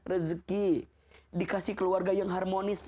rezeki dikasih keluarga yang harmonis